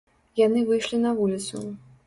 Яны выйшлі на вуліцу.